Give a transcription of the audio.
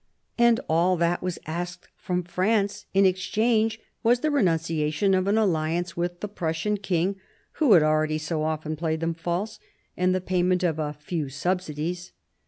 And all that was asked from the French in exchange was the renunciation of an alliance with the Prussian king who had already so often played them false, and the payment of a few subsidies.